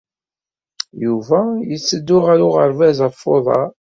Yuba yetteddu ɣer uɣerbaz ɣef uḍar.